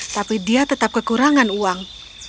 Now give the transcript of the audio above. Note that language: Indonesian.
tapi dia tetap kekurangan uang